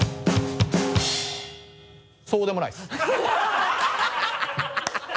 そうでもないです。